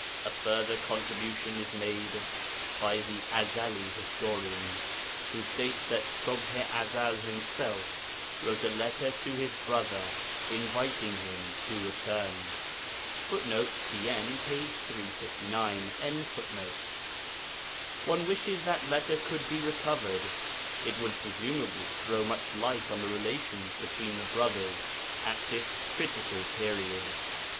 A further contribution is made by the Ezeli historian, who states that Ṣubḥ i Ezel himself wrote a letter to his brother, inviting him to return. [Footnote: TN, p. 359.] One wishes that letter could be recovered. It would presumably throw much light on the relations between the brothers at this critical period.